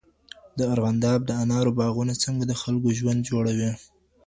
د ارغنداب د انارو باغونه څنګه د خلګو ژوند جوړوي؟